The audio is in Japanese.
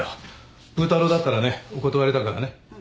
プー太郎だったらねお断りだからね。